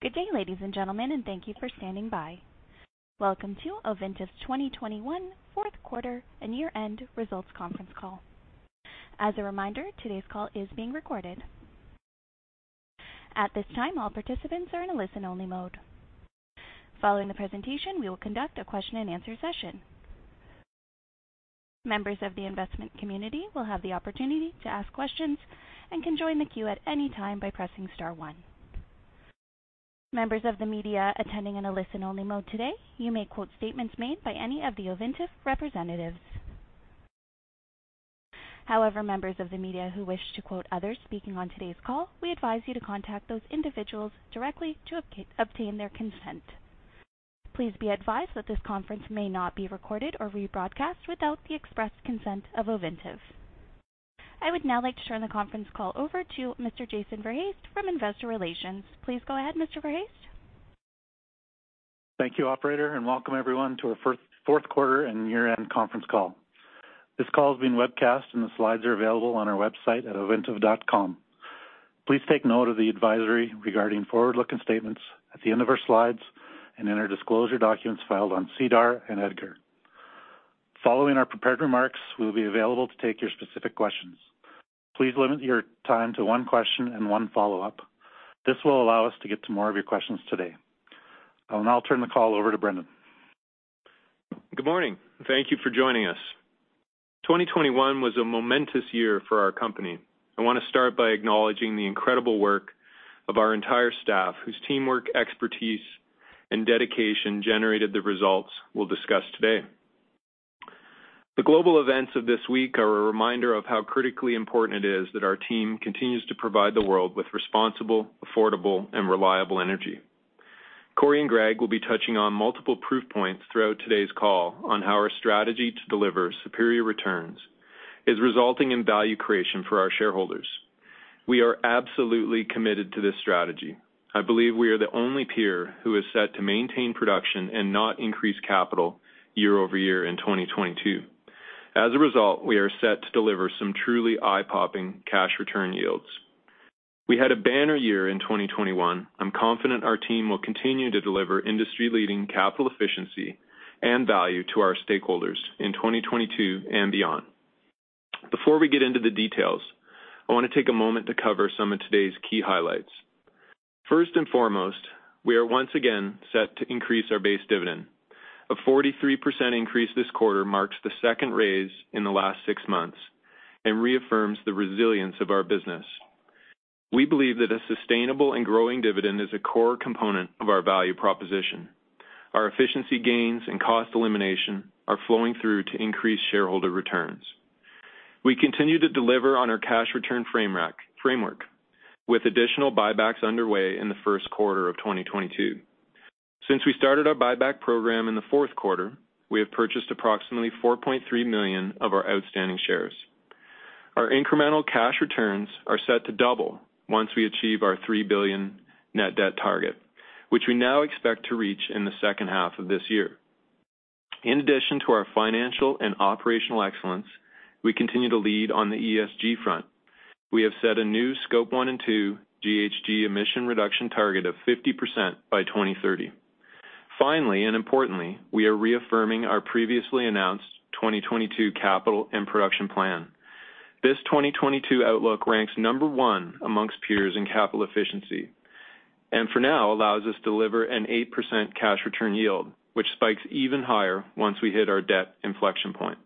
Good day, ladies and gentlemen, and thank you for standing by. Welcome to Ovintiv's 2021 fourth quarter and year-end results conference call. As a reminder, today's call is being recorded. At this time, all participants are in a listen-only mode. Following the presentation, we will conduct a question-and-answer session. Members of the investment community will have the opportunity to ask questions and can join the queue at any time by pressing star one. Members of the media attending in a listen-only mode today, you may quote statements made by any of the Ovintiv representatives. However, members of the media who wish to quote others speaking on today's call, we advise you to contact those individuals directly to obtain their consent. Please be advised that this conference may not be recorded or rebroadcast without the express consent of Ovintiv. I would now like to turn the conference call over to Mr. Jason Verhaest from Investor Relations. Please go ahead, Mr. Verhaest. Thank you, operator, and welcome everyone to our fourth quarter and year-end conference call. This call is being webcast, and the slides are available on our website at ovintiv.com. Please take note of the advisory regarding forward-looking statements at the end of our slides and in our disclosure documents filed on SEDAR and EDGAR. Following our prepared remarks, we will be available to take your specific questions. Please limit your time to one question and one follow-up. This will allow us to get to more of your questions today. I will now turn the call over to Brendan. Good morning. Thank you for joining us. 2021 was a momentous year for our company. I want to start by acknowledging the incredible work of our entire staff, whose teamwork, expertise, and dedication generated the results we'll discuss today. The global events of this week are a reminder of how critically important it is that our team continues to provide the world with responsible, affordable, and reliable energy. Corey and Greg will be touching on multiple proof points throughout today's call on how our strategy to deliver superior returns is resulting in value creation for our shareholders. We are absolutely committed to this strategy. I believe we are the only peer who is set to maintain production and not increase capital year over year in 2022. As a result, we are set to deliver some truly eye-popping cash return yields. We had a banner year in 2021. I'm confident our team will continue to deliver industry-leading capital efficiency and value to our stakeholders in 2022 and beyond. Before we get into the details, I want to take a moment to cover some of today's key highlights. First and foremost, we are once again set to increase our base dividend. A 43% increase this quarter marks the second raise in the last six months and reaffirms the resilience of our business. We believe that a sustainable and growing dividend is a core component of our value proposition. Our efficiency gains and cost elimination are flowing through to increased shareholder returns. We continue to deliver on our cash return framework, with additional buybacks underway in the first quarter of 2022. Since we started our buyback program in the fourth quarter, we have purchased approximately 4.3 million of our outstanding shares. Our incremental cash returns are set to double once we achieve our $3 billion net debt target, which we now expect to reach in the second half of this year. In addition to our financial and operational excellence, we continue to lead on the ESG front. We have set a new Scope 1 & 2 GHG emission reduction target of 50% by 2030. Finally, and importantly, we are reaffirming our previously announced 2022 capital and production plan. This 2022 outlook ranks number one among peers in capital efficiency. For now allows us to deliver an 8% cash return yield, which spikes even higher once we hit our debt inflection point.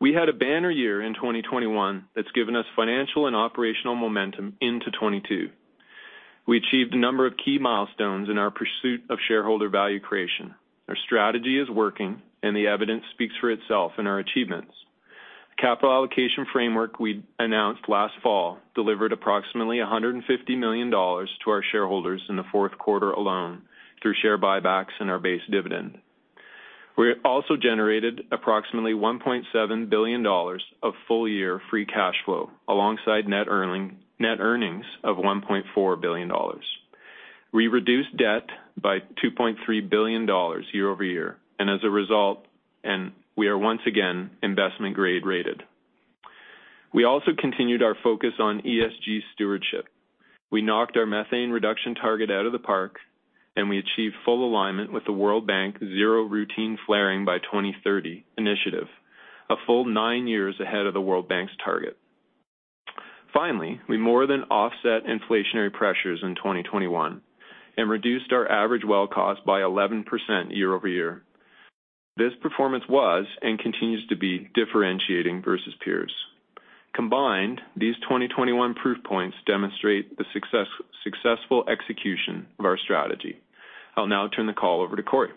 We had a banner year in 2021 that's given us financial and operational momentum into 2022. We achieved a number of key milestones in our pursuit of shareholder value creation. Our strategy is working, and the evidence speaks for itself in our achievements. The capital allocation framework we announced last fall delivered approximately $150 million to our shareholders in the fourth quarter alone through share buybacks and our base dividend. We also generated approximately $1.7 billion of full-year free cash flow alongside net earnings of $1.4 billion. We reduced debt by $2.3 billion year-over-year and we are once again investment-grade rated. We also continued our focus on ESG stewardship. We knocked our methane reduction target out of the park, and we achieved full alignment with the World Bank Zero Routine Flaring by 2030 initiative, a full nine years ahead of the World Bank's target. Finally, we more than offset inflationary pressures in 2021 and reduced our average well cost by 11% year-over-year. This performance was, and continues to be differentiating versus peers. Combined, these 2021 proof points demonstrate the successful execution of our strategy. I'll now turn the call over to Corey.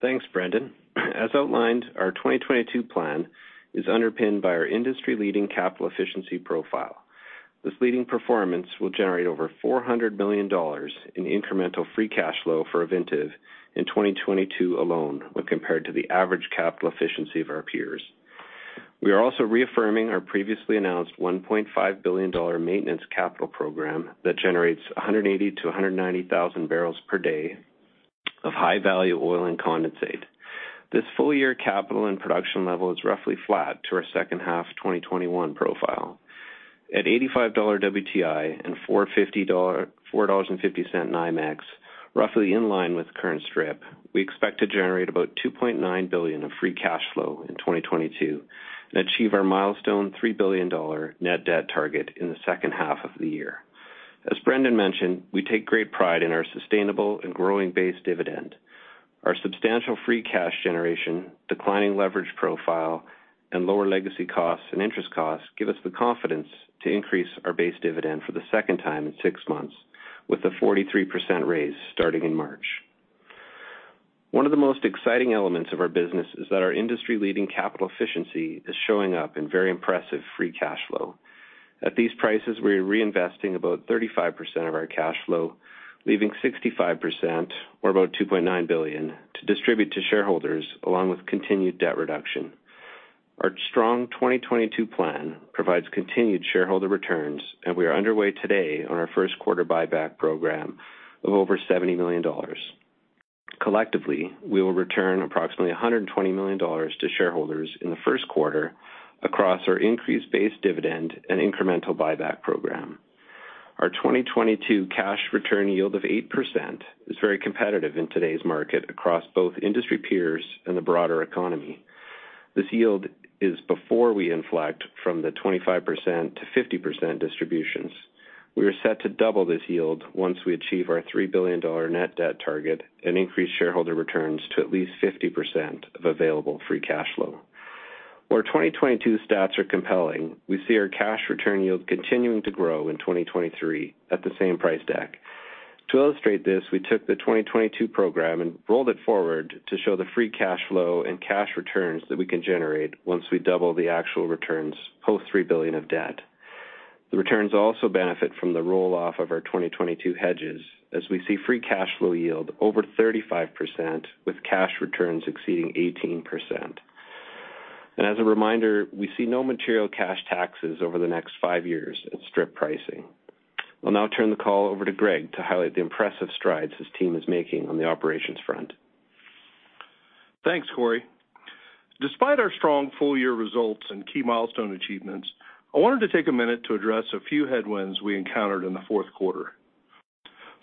Thanks, Brendan. As outlined, our 2022 plan is underpinned by our industry-leading capital efficiency profile. This leading performance will generate over $400 million in incremental free cash flow for Ovintiv in 2022 alone when compared to the average capital efficiency of our peers. We are also reaffirming our previously announced $1.5 billion maintenance capital program that generates 180,000-190,000 bbl per day. Of high-value oil and condensate. This full-year capital and production level is roughly flat to our second-half 2021 profile. At $85 WTI and $4.50 NYMEX, roughly in line with current strip, we expect to generate about $2.9 billion of free cash flow in 2022 and achieve our milestone $3 billion net debt target in the second half of the year. As Brendan mentioned, we take great pride in our sustainable and growing base dividend. Our substantial free cash generation, declining leverage profile, and lower legacy costs and interest costs give us the confidence to increase our base dividend for the second time in six months, with a 43% raise starting in March. One of the most exciting elements of our business is that our industry-leading capital efficiency is showing up in very impressive free cash flow. At these prices, we're reinvesting about 35% of our cash flow, leaving 65%, or about $2.9 billion, to distribute to shareholders along with continued debt reduction. Our strong 2022 plan provides continued shareholder returns, and we are underway today on our first quarter buyback program of over $70 million. Collectively, we will return approximately $120 million to shareholders in the first quarter across our increased base dividend and incremental buyback program. Our 2022 cash return yield of 8% is very competitive in today's market across both industry peers and the broader economy. This yield is before we inflect from the 25%-50% distributions. We are set to double this yield once we achieve our $3 billion net debt target and increase shareholder returns to at least 50% of available free cash flow. 2022 stats are compelling. We see our cash return yield continuing to grow in 2023 at the same price deck. To illustrate this, we took the 2022 program and rolled it forward to show the free cash flow and cash returns that we can generate once we double the actual returns post $3 billion of debt. The returns also benefit from the roll-off of our 2022 hedges as we see free cash flow yield over 35% with cash returns exceeding 18%. As a reminder, we see no material cash taxes over the next five years at strip pricing. I'll now turn the call over to Greg to highlight the impressive strides his team is making on the operations front. Thanks, Corey. Despite our strong full-year results and key milestone achievements, I wanted to take a minute to address a few headwinds we encountered in the fourth quarter.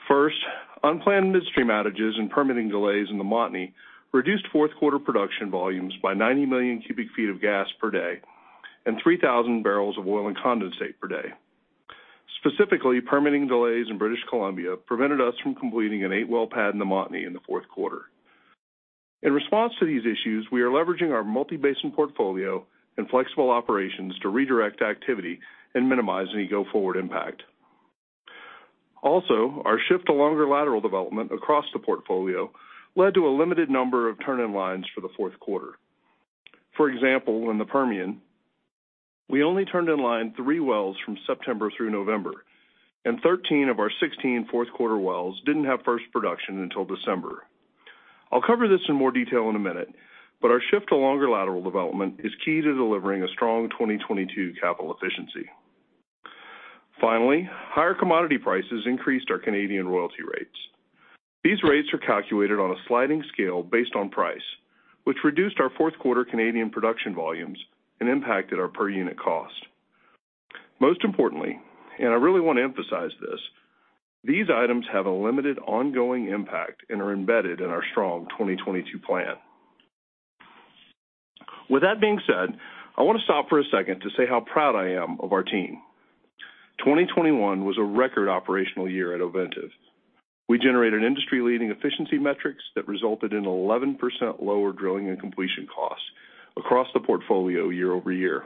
First, unplanned midstream outages and permitting delays in the Montney reduced fourth-quarter production volumes by 90 million cu ft of gas per day and 3,000 bbl of oil and condensate per day. Specifically, permitting delays in British Columbia prevented us from completing an eight-well pad in the Montney in the fourth quarter. In response to these issues, we are leveraging our multi-basin portfolio and flexible operations to redirect activity and minimize any go-forward impact. Also, our shift to longer lateral development across the portfolio led to a limited number of turn-in-lines for the fourth quarter. For example, in the Permian, we only turned-in-line three wells from September through November, and 13 of our 16 fourth-quarter wells didn't have first production until December. I'll cover this in more detail in a minute, but our shift to longer lateral development is key to delivering a strong 2022 capital efficiency. Finally, higher commodity prices increased our Canadian royalty rates. These rates are calculated on a sliding scale based on price, which reduced our fourth-quarter Canadian production volumes and impacted our per-unit cost. Most importantly, and I really want to emphasize this, these items have a limited ongoing impact and are embedded in our strong 2022 plan. With that being said, I want to stop for a second to say how proud I am of our team. 2021 was a record operational year at Ovintiv. We generated industry-leading efficiency metrics that resulted in 11% lower drilling and completion costs across the portfolio year-over-year.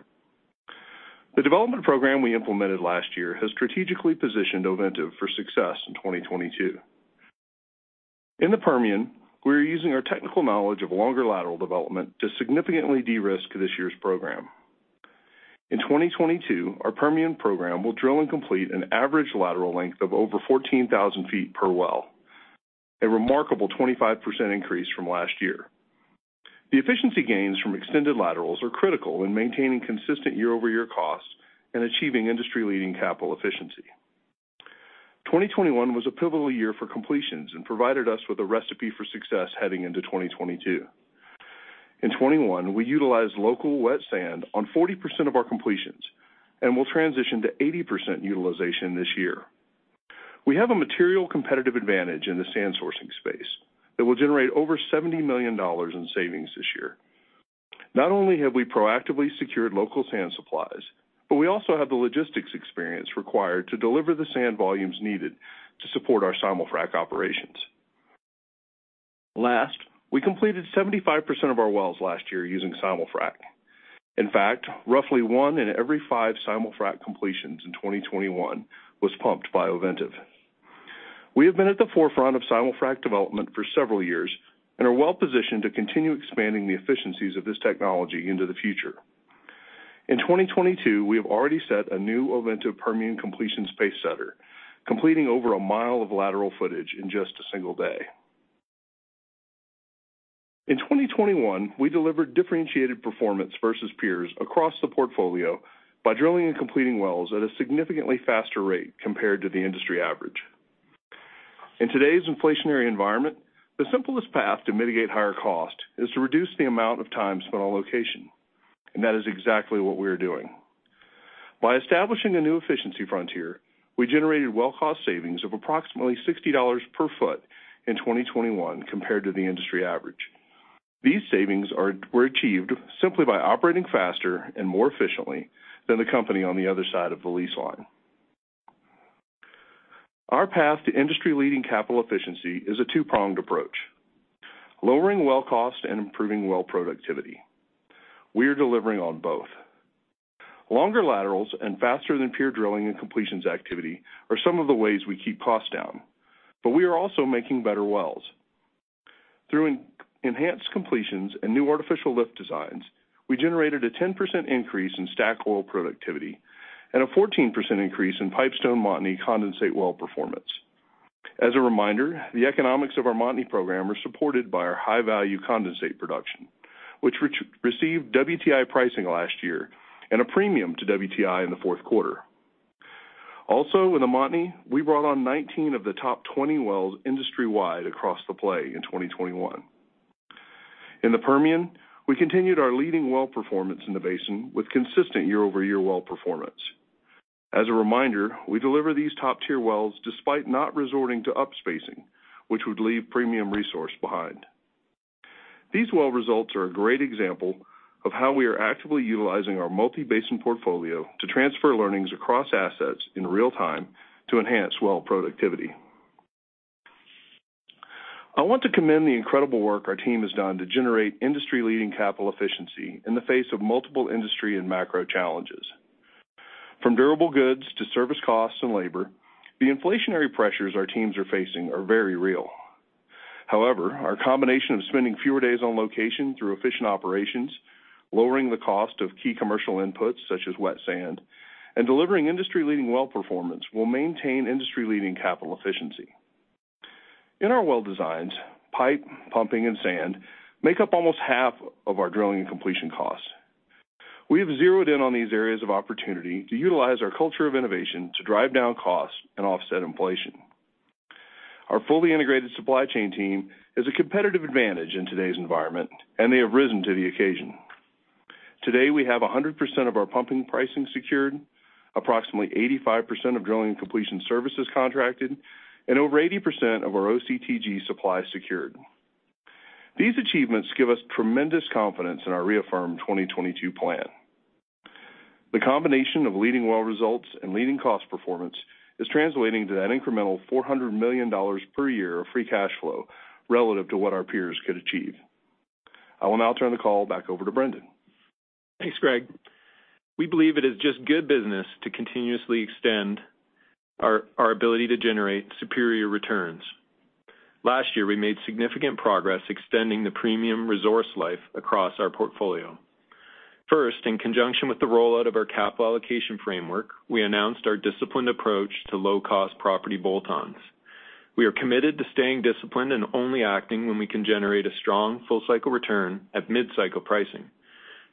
The development program we implemented last year has strategically positioned Ovintiv for success in 2022. In the Permian, we are using our technical knowledge of longer lateral development to significantly de-risk this year's program. In 2022, our Permian program will drill and complete an average lateral length of over 14,000 ft per well, a remarkable 25% increase from last year. The efficiency gains from extended laterals are critical in maintaining consistent year-over-year costs and achieving industry-leading capital efficiency. 2021 was a pivotal year for completions and provided us with a recipe for success heading into 2022. In 2021, we utilized local wet sand on 40% of our completions and will transition to 80% utilization this year. We have a material competitive advantage in the sand sourcing space that will generate over $70 million in savings this year. Not only have we proactively secured local sand supplies, but we also have the logistics experience required to deliver the sand volumes needed to support our Simul-Frac operations. Last, we completed 75% of our wells last year using Simul-Frac. In fact, roughly one in every five Simul-Frac completions in 2021 was pumped by Ovintiv. We have been at the forefront of Simul-Frac development for several years and are well positioned to continue expanding the efficiencies of this technology into the future. In 2022, we have already set a new Ovintiv Permian completion pacesetter, completing over a mile of lateral footage in just a single day. In 2021, we delivered differentiated performance versus peers across the portfolio by drilling and completing wells at a significantly faster rate compared to the industry average. In today's inflationary environment, the simplest path to mitigate higher cost is to reduce the amount of time spent on location, and that is exactly what we are doing. By establishing a new efficiency frontier, we generated well cost savings of approximately $60 per foot in 2021 compared to the industry average. These savings were achieved simply by operating faster and more efficiently than the company on the other side of the lease line. Our path to industry-leading capital efficiency is a two-pronged approach, lowering well cost and improving well productivity. We are delivering on both. Longer laterals and faster than peer drilling and completions activity are some of the ways we keep costs down, but we are also making better wells. Through enhanced completions and new artificial lift designs, we generated a 10% increase in STACK oil productivity and a 14% increase in Pipestone Montney condensate well performance. As a reminder, the economics of our Montney program are supported by our high-value condensate production, which received WTI pricing last year and a premium to WTI in the fourth quarter. Also, in the Montney, we brought on 19 of the top 20 wells industry-wide across the play in 2021. In the Permian, we continued our leading well performance in the basin with consistent year-over-year well performance. As a reminder, we deliver these top-tier wells despite not resorting to upspacing, which would leave premium resource behind. These well results are a great example of how we are actively utilizing our multi-basin portfolio to transfer learnings across assets in real time to enhance well productivity. I want to commend the incredible work our team has done to generate industry-leading capital efficiency in the face of multiple industry and macro challenges. From durable goods to service costs and labor, the inflationary pressures our teams are facing are very real. However, our combination of spending fewer days on location through efficient operations, lowering the cost of key commercial inputs such as wet sand, and delivering industry-leading well performance will maintain industry-leading capital efficiency. In our well designs, pipe, pumping, and sand make up almost half of our drilling and completion costs. We have zeroed in on these areas of opportunity to utilize our culture of innovation to drive down costs and offset inflation. Our fully integrated supply chain team is a competitive advantage in today's environment, and they have risen to the occasion. Today, we have 100% of our pumping pricing secured, approximately 85% of drilling completion services contracted, and over 80% of our OCTG supply secured. These achievements give us tremendous confidence in our reaffirmed 2022 plan. The combination of leading well results and leading cost performance is translating to that incremental $400 million per year of free cash flow relative to what our peers could achieve. I will now turn the call back over to Brendan. Thanks, Greg. We believe it is just good business to continuously extend our ability to generate superior returns. Last year, we made significant progress extending the premium resource life across our portfolio. First, in conjunction with the rollout of our capital allocation framework, we announced our disciplined approach to low-cost property bolt-ons. We are committed to staying disciplined and only acting when we can generate a strong full-cycle return at mid-cycle pricing.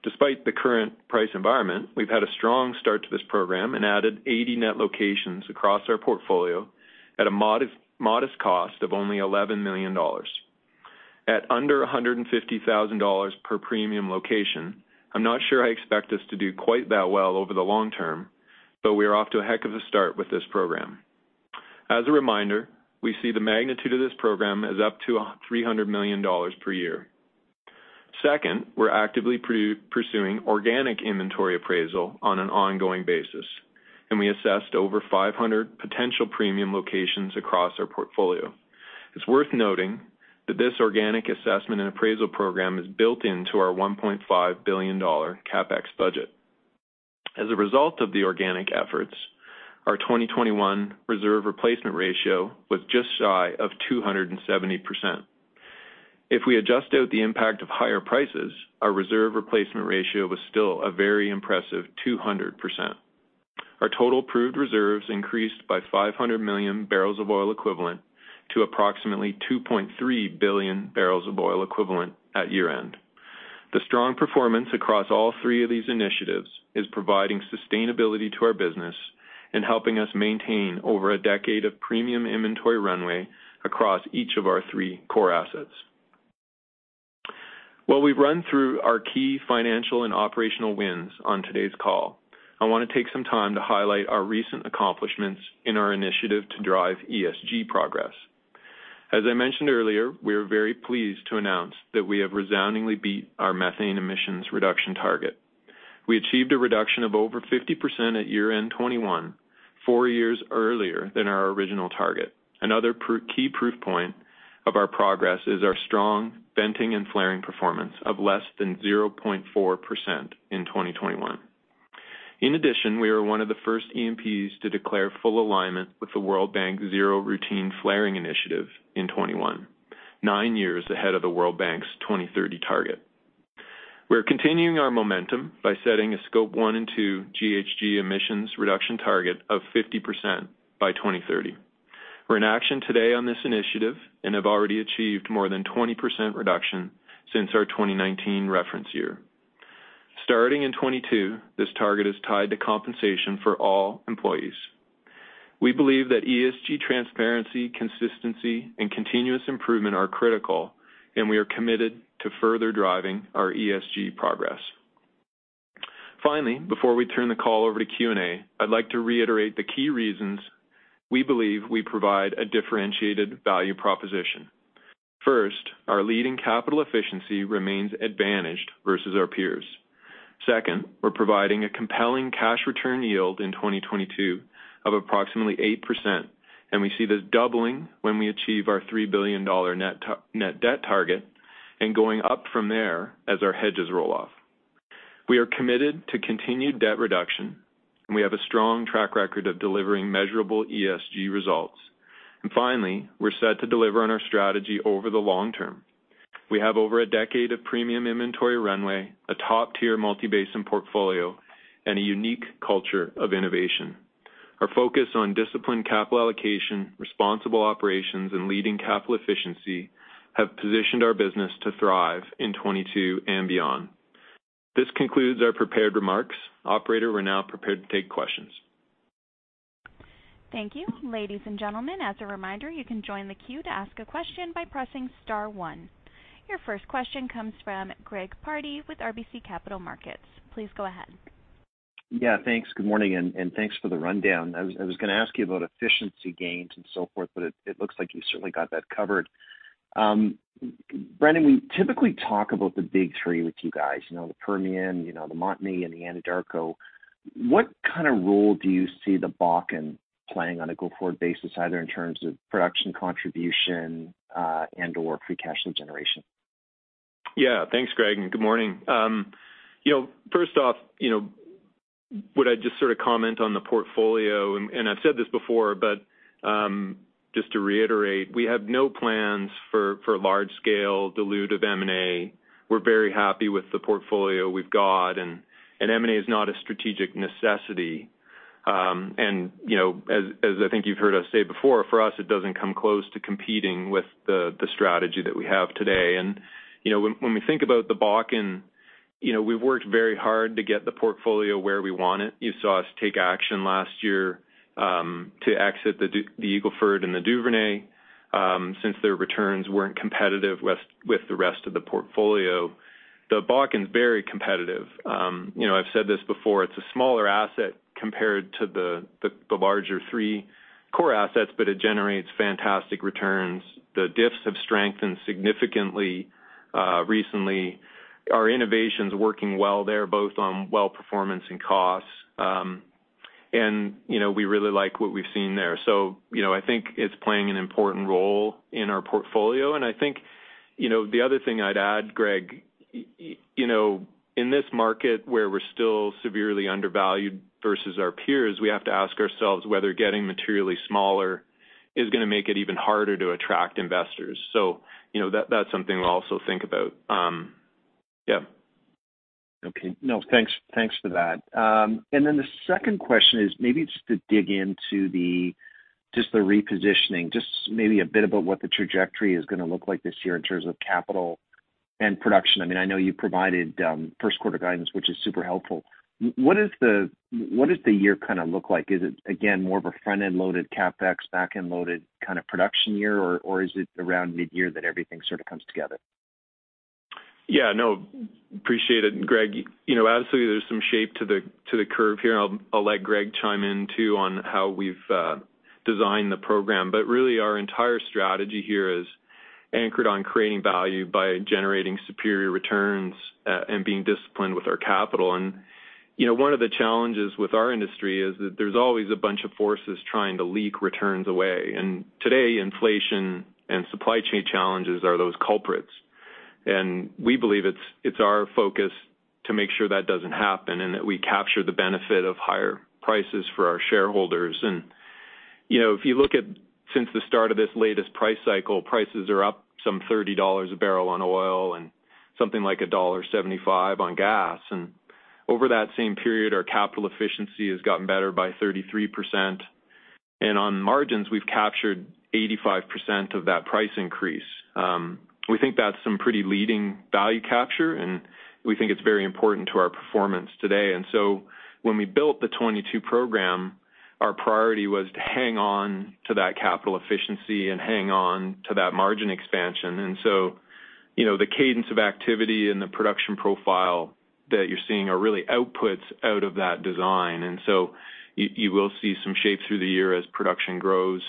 Despite the current price environment, we've had a strong start to this program and added 80 net locations across our portfolio at a modest cost of only $11 million. At under $150,000 per premium location, I'm not sure I expect us to do quite that well over the long term, but we are off to a heck of a start with this program. As a reminder, we see the magnitude of this program as up to $300 million per year. Second, we're actively pursuing organic inventory appraisal on an ongoing basis, and we assessed over 500 potential premium locations across our portfolio. It's worth noting that this organic assessment and appraisal program is built into our $1.5 billion CapEx budget. As a result of the organic efforts, our 2021 reserve replacement ratio was just shy of 270%. If we adjust out the impact of higher prices, our reserve replacement ratio was still a very impressive 200%. Our total proved reserves increased by 500 million bbl of oil equivalent to approximately 2.3 billion bbl of oil equivalent at year-end. The strong performance across all three of these initiatives is providing sustainability to our business and helping us maintain over a decade of premium inventory runway across each of our three core assets. While we've run through our key financial and operational wins on today's call, I wanna take some time to highlight our recent accomplishments in our initiative to drive ESG progress. As I mentioned earlier, we are very pleased to announce that we have resoundingly beat our methane emissions reduction target. We achieved a reduction of over 50% at year-end 2021, four years earlier than our original target. Another key proof point of our progress is our strong venting and flaring performance of less than 0.4% in 2021. In addition, we are one of the first E&Ps to declare full alignment with the World Bank Zero Routine Flaring initiative in 2021, nine years ahead of the World Bank's 2030 target. We're continuing our momentum by setting a Scope 1 & 2 GHG emissions reduction target of 50% by 2030. We're in action today on this initiative and have already achieved more than 20% reduction since our 2019 reference year. Starting in 2022, this target is tied to compensation for all employees. We believe that ESG transparency, consistency and continuous improvement are critical, and we are committed to further driving our ESG progress. Finally, before we turn the call over to Q&A, I'd like to reiterate the key reasons we believe we provide a differentiated value proposition. First, our leading capital efficiency remains advantaged versus our peers. Second, we're providing a compelling cash return yield in 2022 of approximately 8%, and we see this doubling when we achieve our $3 billion net debt target and going up from there as our hedges roll off. We are committed to continued debt reduction, and we have a strong track record of delivering measurable ESG results. Finally, we're set to deliver on our strategy over the long term. We have over a decade of premium inventory runway, a top-tier multi-basin portfolio, and a unique culture of innovation. Our focus on disciplined capital allocation, responsible operations, and leading capital efficiency have positioned our business to thrive in 2022 and beyond. This concludes our prepared remarks. Operator, we're now prepared to take questions. Thank you. Ladies and gentlemen, as a reminder, you can join the queue to ask a question by pressing star one. Your first question comes from Greg Pardy with RBC Capital Markets. Please go ahead. Yeah, thanks. Good morning, and thanks for the rundown. I was gonna ask you about efficiency gains and so forth, but it looks like you certainly got that covered. Brendan, we typically talk about the big three with you guys, you know, the Permian, you know, the Montney, and the Anadarko. What kind of role do you see the Bakken playing on a go-forward basis, either in terms of production contribution, and/or free cash flow generation? Yeah. Thanks, Greg, and good morning. You know, first off, you know, what I'd just sort of comment on the portfolio, and I've said this before, but just to reiterate, we have no plans for large-scale dilutive M&A. We're very happy with the portfolio we've got, and M&A is not a strategic necessity. You know, as I think you've heard us say before, for us, it doesn't come close to competing with the strategy that we have today. You know, when we think about the Bakken, you know, we've worked very hard to get the portfolio where we want it. You saw us take action last year to exit the Eagle Ford and the Duvernay, since their returns weren't competitive with the rest of the portfolio. The Bakken's very competitive. You know, I've said this before, it's a smaller asset compared to the larger three core assets, but it generates fantastic returns. The diffs have strengthened significantly recently. Our innovation's working well there, both on well performance and costs. You know, we really like what we've seen there. You know, I think it's playing an important role in our portfolio. I think, you know, the other thing I'd add, Greg, you know, in this market where we're still severely undervalued versus our peers, we have to ask ourselves whether getting materially smaller is gonna make it even harder to attract investors. You know, that's something we'll also think about. Yeah. Okay. No, thanks for that. The second question is maybe just to dig into just the repositioning, just maybe a bit about what the trajectory is gonna look like this year in terms of capital and production. I mean, I know you provided first quarter guidance, which is super helpful. What does the year kinda look like? Is it again more of a front-end loaded CapEx, back-end loaded kinda production year, or is it around midyear that everything sorta comes together? Yeah, no, appreciate it, Greg. You know, absolutely there's some shape to the curve here, and I'll let Greg chime in too on how we've designed the program. But really our entire strategy here is anchored on creating value by generating superior returns and being disciplined with our capital. You know, one of the challenges with our industry is that there's always a bunch of forces trying to leak returns away. Today, inflation and supply chain challenges are those culprits. We believe it's our focus to make sure that doesn't happen and that we capture the benefit of higher prices for our shareholders. You know, if you look at since the start of this latest price cycle, prices are up some $30 a bbl on oil and something like $1.75 on gas. Over that same period, our capital efficiency has gotten better by 33%. On margins, we've captured 85% of that price increase. We think that's some pretty leading value capture, and we think it's very important to our performance today. When we built the 2022 program, our priority was to hang on to that capital efficiency and hang on to that margin expansion. You know, the cadence of activity and the production profile that you're seeing are really outputs out of that design. You will see some shape through the year as production grows.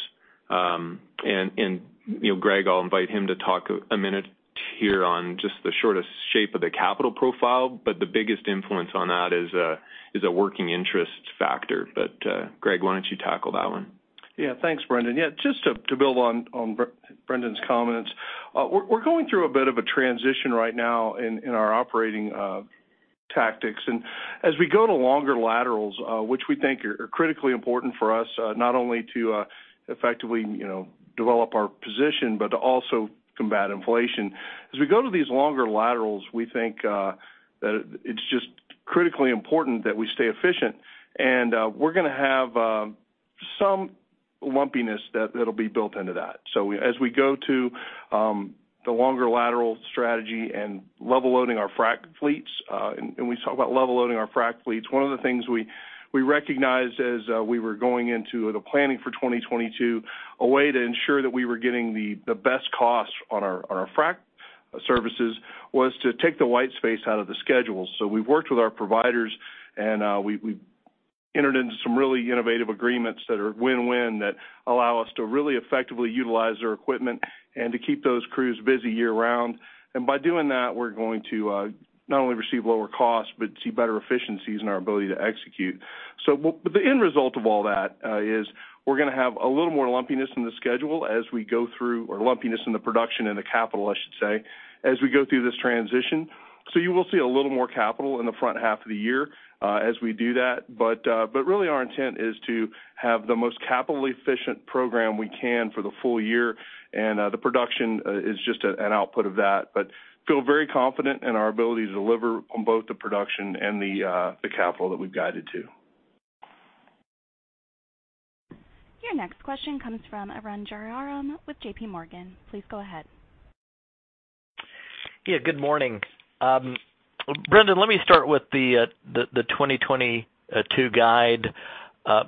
You know, Greg, I'll invite him to talk a minute here on just the sort of shape of the capital profile, but the biggest influence on that is a working interest factor. Greg, why don't you tackle that one? Yeah. Thanks, Brendan. Yeah, just to build on Brendan's comments, we're going through a bit of a transition right now in our operating tactics. As we go to longer laterals, which we think are critically important for us, not only to effectively, you know, develop our position, but to also combat inflation. As we go to these longer laterals, we think that it's just critically important that we stay efficient. We're gonna have some lumpiness that'll be built into that. As we go to the longer lateral strategy and level loading our frac fleets, and we talk about level loading our frac fleets, one of the things we recognized as we were going into the planning for 2022, a way to ensure that we were getting the best cost on our frac services was to take the white space out of the schedule. We've worked with our providers, and we entered into some really innovative agreements that are win-win that allow us to really effectively utilize their equipment and to keep those crews busy year-round. By doing that, we're going to not only receive lower costs but see better efficiencies in our ability to execute. The end result of all that is we're gonna have a little more lumpiness in the schedule as we go through, or lumpiness in the production and the capital, I should say, as we go through this transition. You will see a little more capital in the front half of the year as we do that. Really our intent is to have the most capital-efficient program we can for the full year. The production is just an output of that. We feel very confident in our ability to deliver on both the production and the capital that we've guided to. Your next question comes from Arun Jayaram with J.P. Morgan. Please go ahead. Yeah, good morning. Brendan, let me start with the 2022 guide.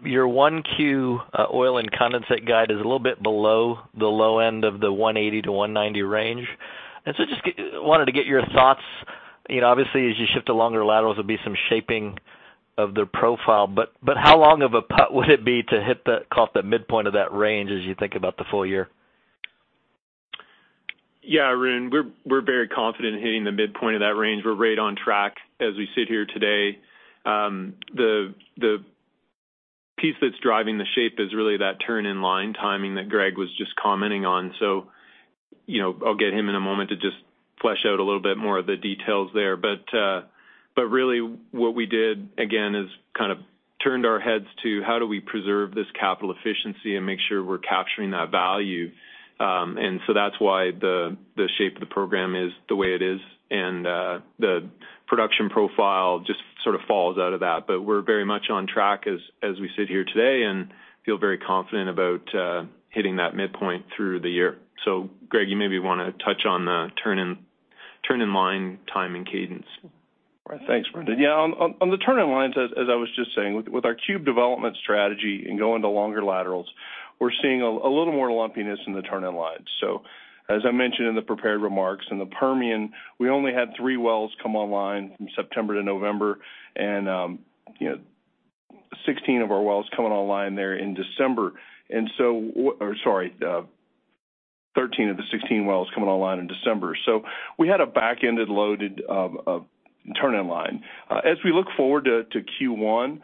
Your 1Q oil and condensate guide is a little bit below the low end of the 180-190 range. Wanted to get your thoughts. You know, obviously, as you shift to longer laterals, there'll be some shaping of their profile. But how long of a putt would it be to catch the midpoint of that range as you think about the full year? Yeah, Arun, we're very confident in hitting the midpoint of that range. We're right on track as we sit here today. The piece that's driving the shape is really that turn-in-line timing that Greg was just commenting on. You know, I'll get him in a moment to just flesh out a little bit more of the details there. Really what we did, again, is kind of turned our heads to how do we preserve this capital efficiency and make sure we're capturing that value. That's why the shape of the program is the way it is. The production profile just sort of falls out of that. We're very much on track as we sit here today and feel very confident about hitting that midpoint through the year. Greg, you maybe wanna touch on the turn in line timing cadence. Thanks, Brendan. Yeah, on the turn-in-lines, as I was just saying, with our cube development strategy and going to longer laterals, we're seeing a little more lumpiness in the turn-in-lines. As I mentioned in the prepared remarks, in the Permian, we only had three wells come online from September to November and, you know, 16 of our wells coming online there in December or sorry, 13 of the 16 wells coming online in December. We had a back-end loaded turn-in-line. As we look forward to Q1,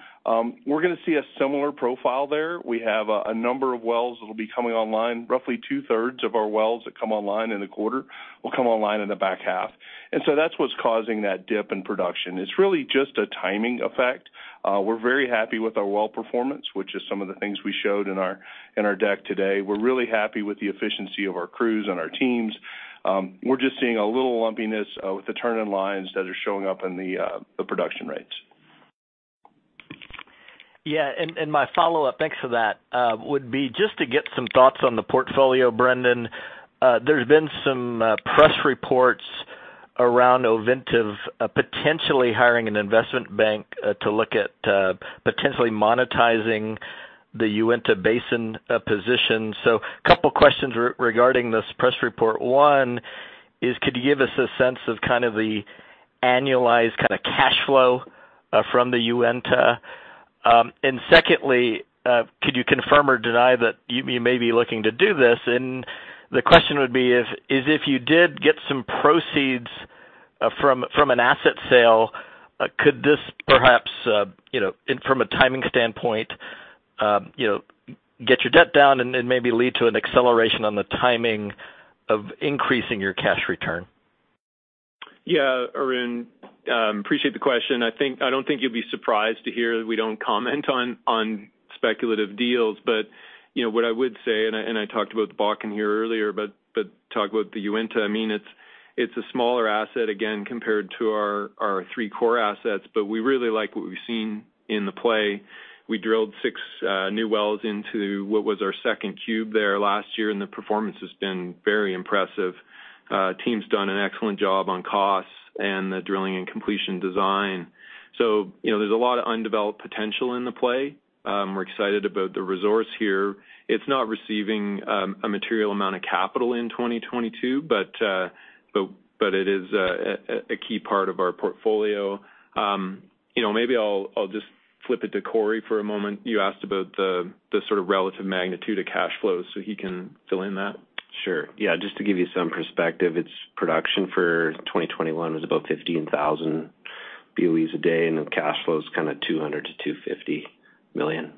we're gonna see a similar profile there. We have a number of wells that'll be coming online. Roughly two-thirds of our wells that come online in the quarter will come online in the back half. That's what's causing that dip in production. It's really just a timing effect. We're very happy with our well performance, which is some of the things we showed in our deck today. We're really happy with the efficiency of our crews and our teams. We're just seeing a little lumpiness with the turn-in-lines that are showing up in the production rates. Yeah. My follow-up, thanks for that, would be just to get some thoughts on the portfolio, Brendan. There's been some press reports around Ovintiv potentially hiring an investment bank to look at potentially monetizing the Uinta Basin position. A couple questions regarding this press report. One is could you give us a sense of kind of the annualized kind of cash flow from the Uinta? And secondly, could you confirm or deny that you may be looking to do this? The question would be if you did get some proceeds from an asset sale, could this perhaps, you know, and from a timing standpoint, you know, get your debt down and maybe lead to an acceleration on the timing of increasing your cash return? Yeah, Arun, appreciate the question. I don't think you'll be surprised to hear that we don't comment on speculative deals. You know, what I would say, I talked about the Bakken here earlier, but talk about the Uinta, I mean, it's a smaller asset, again, compared to our three core assets, but we really like what we've seen in the play. We drilled six new wells into what was our second cube there last year, and the performance has been very impressive. Team's done an excellent job on costs and the drilling and completion design. You know, there's a lot of undeveloped potential in the play. We're excited about the resource here. It's not receiving a material amount of capital in 2022, but it is a key part of our portfolio. You know, maybe I'll just flip it to Corey for a moment. You asked about the sort of relative magnitude of cash flows, so he can fill in that. Sure. Yeah. Just to give you some perspective, its production for 2021 was about 15,000 BOEs a day, and the cash flow is kind of $200 million-$250 million.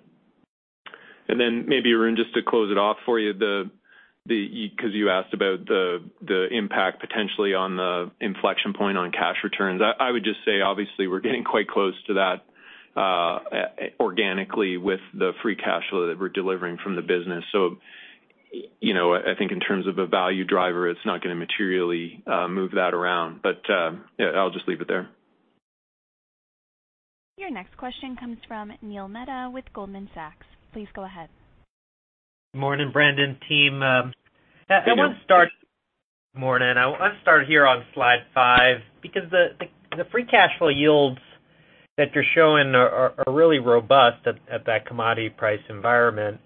Maybe Arun, just to close it off for you, 'cause you asked about the impact potentially on the inflection point on cash returns. I would just say, obviously, we're getting quite close to that organically with the free cash flow that we're delivering from the business. You know, I think in terms of a value driver, it's not gonna materially move that around. Yeah, I'll just leave it there. Your next question comes from Neil Mehta with Goldman Sachs. Please go ahead. Morning, Brendan, team. I wanna start here on slide five because the free cash flow yields that you're showing are really robust at that commodity price environment.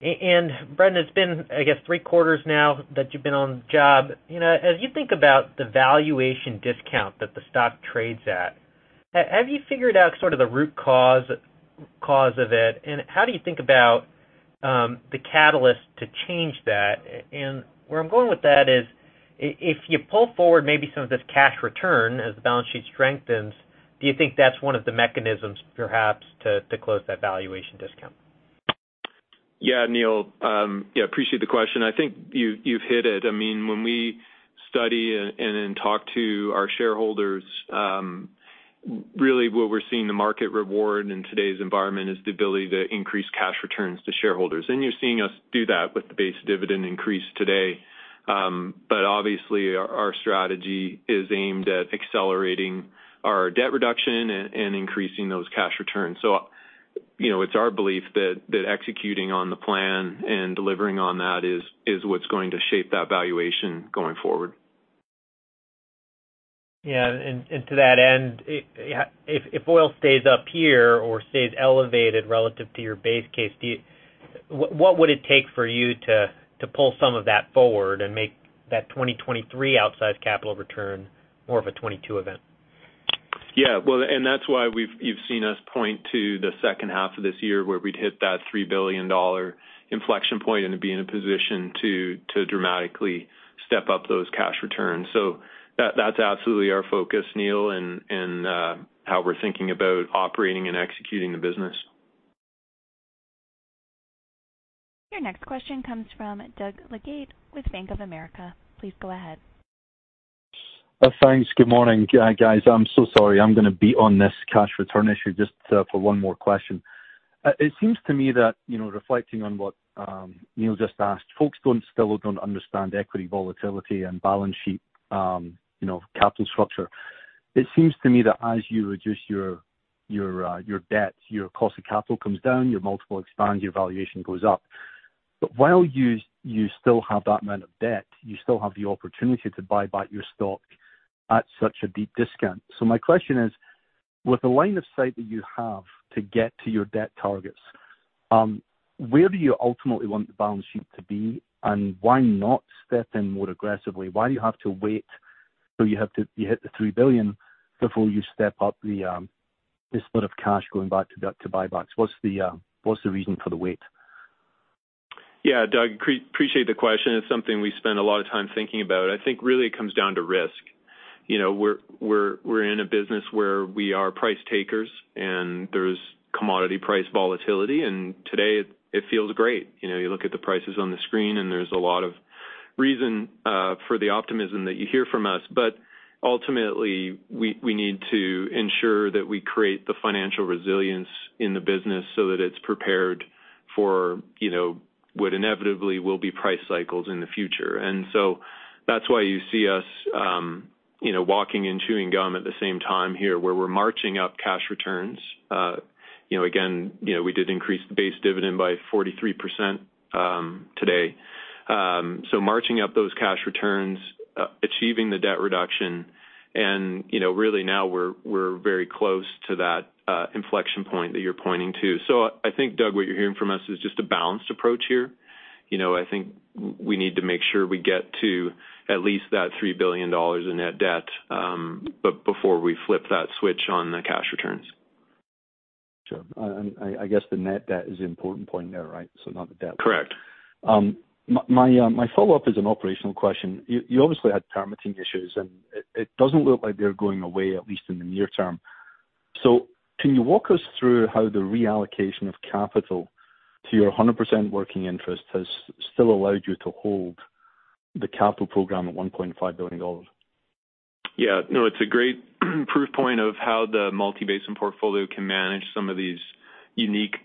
Brendan, it's been, I guess, three quarters now that you've been on the job. You know, as you think about the valuation discount that the stock trades at, have you figured out sort of the root cause of it, and how do you think about the catalyst to change that? Where I'm going with that is if you pull forward maybe some of this cash return as the balance sheet strengthens, do you think that's one of the mechanisms perhaps to close that valuation discount? Yeah, Neil. Yeah, appreciate the question. I think you've hit it. I mean, when we study and then talk to our shareholders, really what we're seeing the market reward in today's environment is the ability to increase cash returns to shareholders. You're seeing us do that with the base dividend increase today. Obviously our strategy is aimed at accelerating our debt reduction and increasing those cash returns. You know, it's our belief that executing on the plan and delivering on that is what's going to shape that valuation going forward. Yeah. To that end, if oil stays up here or stays elevated relative to your base case, what would it take for you to pull some of that forward and make that 2023 outsized capital return more of a 2022 event? Yeah. Well, that's why we've you've seen us point to the second half of this year where we'd hit that $3 billion inflection point and to be in a position to dramatically step up those cash returns. That, that's absolutely our focus, Neil, and how we're thinking about operating and executing the business. Your next question comes from Doug Leggate with Bank of America. Please go ahead. Thanks. Good morning, guys. I'm so sorry. I'm gonna be on this cash return issue just for one more question. It seems to me that, you know, reflecting on what Neil just asked, folks still don't understand equity volatility and balance sheet, you know, capital structure. It seems to me that as you reduce your debt, your cost of capital comes down, your multiple expands, your valuation goes up. While you still have that amount of debt, you still have the opportunity to buy back your stock at such a deep discount. My question is, with the line of sight that you have to get to your debt targets, where do you ultimately want the balance sheet to be, and why not step in more aggressively? Why do you have to wait till you hit the $3 billion before you step up the split of cash going back to buybacks? What's the reason for the wait? Yeah, Doug, appreciate the question. It's something we spend a lot of time thinking about. I think really it comes down to risk. You know, we're in a business where we are price takers and there's commodity price volatility, and today it feels great. You know, you look at the prices on the screen and there's a lot of reason for the optimism that you hear from us. Ultimately we need to ensure that we create the financial resilience in the business so that it's prepared for, you know, what inevitably will be price cycles in the future. That's why you see us, you know, walking and chewing gum at the same time here, where we're marching up cash returns. You know, again, you know, we did increase the base dividend by 43% today. Marching up those cash returns, achieving the debt reduction and, you know, really now we're very close to that inflection point that you're pointing to. I think, Doug, what you're hearing from us is just a balanced approach here. You know, I think we need to make sure we get to at least that $3 billion in net debt before we flip that switch on the cash returns. Sure. I guess the net debt is the important point there, right? Not the debt. Correct. My follow-up is an operational question. You obviously had permitting issues, and it doesn't look like they're going away, at least in the near term. Can you walk us through how the reallocation of capital to your 100% working interest has still allowed you to hold the capital program at $1.5 billion? Yeah. No, it's a great proof point of how the multi-basin portfolio can manage some of these unique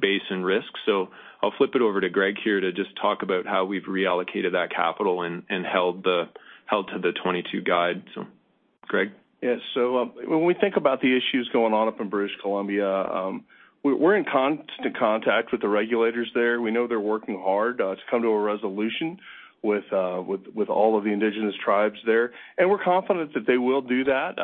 basin risks. I'll flip it over to Greg here to just talk about how we've reallocated that capital and held to the 22 guide. Greg? Yes. When we think about the issues going on up in British Columbia, we're in constant contact with the regulators there. We know they're working hard to come to a resolution with all of the Indigenous tribes there, and we're confident that they will do that.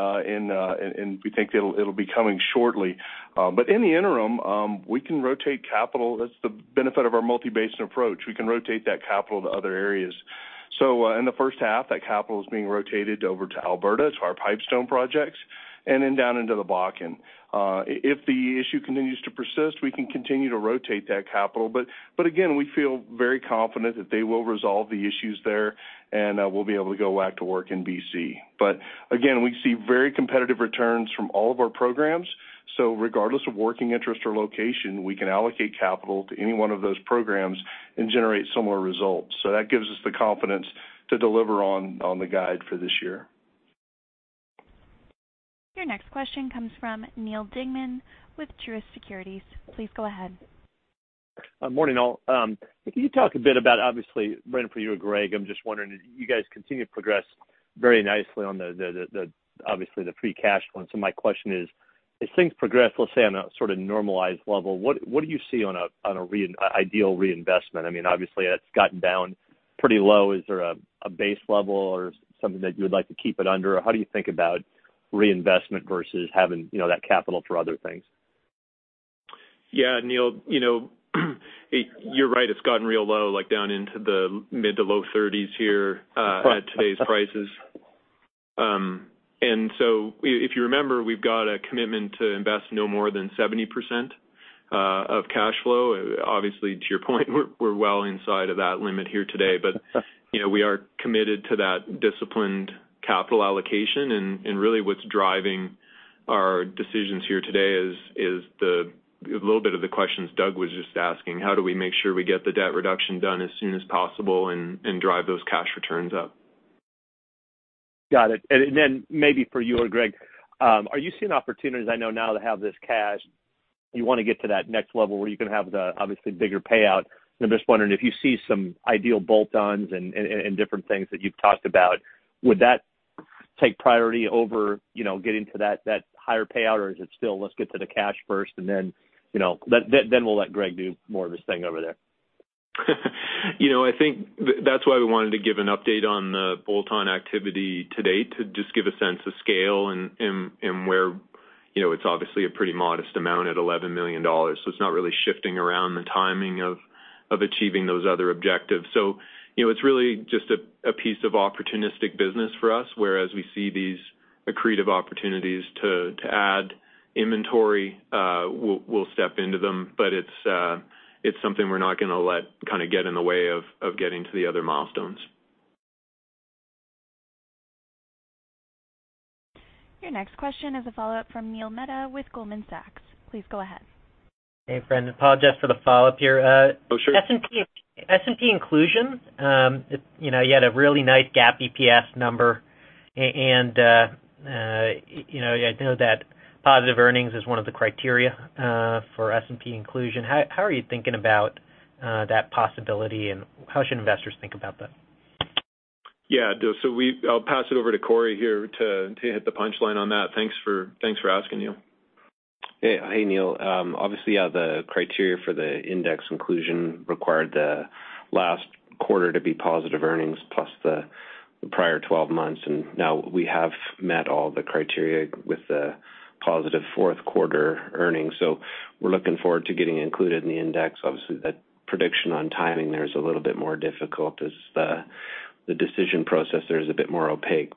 We think it'll be coming shortly. In the interim, we can rotate capital. That's the benefit of our multi-basin approach. We can rotate that capital to other areas. In the first half, that capital is being rotated over to Alberta, to our Pipestone projects, and then down into the Bakken. If the issue continues to persist, we can continue to rotate that capital, but again, we feel very confident that they will resolve the issues there and we'll be able to go back to work in BC. Again, we see very competitive returns from all of our programs. Regardless of working interest or location, we can allocate capital to any one of those programs and generate similar results. That gives us the confidence to deliver on the guide for this year. Your next question comes from Neal Dingmann with Truist Securities. Please go ahead. Good morning, all. Can you talk a bit about, obviously, Brendan, for you or Greg? I'm just wondering, you guys continue to progress very nicely on the obviously the free cash flow. My question is: as things progress, let's say on a sort of normalized level, what do you see on an ideal reinvestment? I mean, obviously, it's gotten down pretty low. Is there a base level or something that you would like to keep it under? How do you think about reinvestment versus having, you know, that capital for other things? Yeah, Neal, you know, you're right, it's gotten real low, like down into the mid to low thirties here at today's prices. If you remember, we've got a commitment to invest no more than 70% of cash flow. Obviously, to your point, we're well inside of that limit here today. You know, we are committed to that disciplined capital allocation. Really what's driving our decisions here today is a little bit of the questions Doug was just asking, how do we make sure we get the debt reduction done as soon as possible and drive those cash returns up? Got it. Maybe for you or Greg, are you seeing opportunities? I know now to have this cash, you wanna get to that next level where you can have the obviously bigger payout. I'm just wondering if you see some ideal bolt-ons and different things that you've talked about. Would that take priority over, you know, getting to that higher payout, or is it still let's get to the cash first and then, you know. We'll let Greg do more of his thing over there. You know, I think that's why we wanted to give an update on the bolt-on activity to date, to just give a sense of scale and where, you know, it's obviously a pretty modest amount at $11 million. It's not really shifting around the timing of achieving those other objectives. You know, it's really just a piece of opportunistic business for us, whereas we see these accretive opportunities to add inventory, we'll step into them. It's something we're not gonna let kinda get in the way of getting to the other milestones. Your next question is a follow-up from Neil Mehta with Goldman Sachs. Please go ahead. Hey, Brendan, apologize for the follow-up here. Oh, sure. S&P inclusion, you know, you had a really nice GAAP EPS number, and, you know, I know that positive earnings is one of the criteria for S&P inclusion. How are you thinking about that possibility, and how should investors think about that? I'll pass it over to Corey here to hit the punchline on that. Thanks for asking, Neil. Hey, Neil. Obviously, yeah, the criteria for the index inclusion required the last quarter to be positive earnings plus the prior 12 months. Now we have met all the criteria with the positive fourth quarter earnings. We're looking forward to getting included in the index. Obviously, that prediction on timing there is a little bit more difficult as the decision process there is a bit more opaque.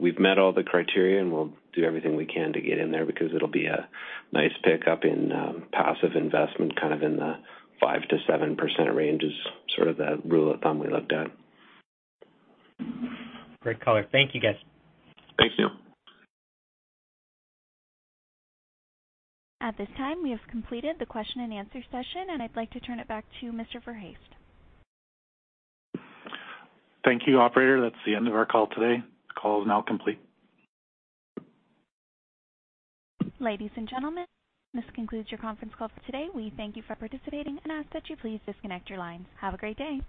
We've met all the criteria, and we'll do everything we can to get in there because it'll be a nice pickup in passive investment, kind of in the 5%-7% range is sort of the rule of thumb we looked at. Great color. Thank you, guys. Thanks, Neil. At this time, we have completed the question-and-answer session, and I'd like to turn it back to Mr. Verhaest. Thank you, operator. That's the end of our call today. Call is now complete. Ladies and gentlemen, this concludes your conference call for today. We thank you for participating and ask that you please disconnect your lines. Have a great day.